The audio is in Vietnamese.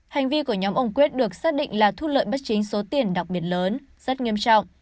hành vi của nhóm ông quyết được xác định là thu lợi bất chính số tiền đặc biệt lớn rất nghiêm trọng